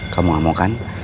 kamu ngamuk kan